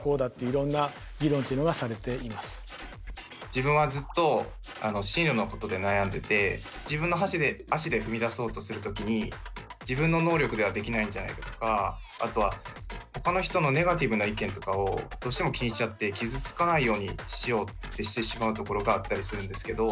自分はずっと進路のことで悩んでて自分の足で踏み出そうとする時に自分の能力ではできないんじゃないかとかあとはほかの人のネガティブな意見とかをどうしても気にしちゃって傷つかないようにしようってしてしまうところがあったりするんですけど。